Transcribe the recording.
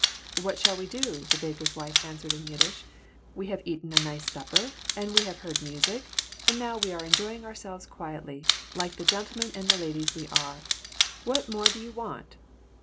"What shall we do?" the baker's wife answered in Yiddish. "We have eaten a nice supper and we have heard music and now we are enjoying ourselves quietly, like the gentlemen and the ladies we are. What more do you want?"